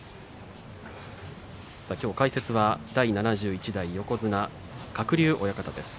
解説は第７１代横綱鶴竜親方です。